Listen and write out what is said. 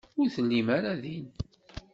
Ur tellimt ara din.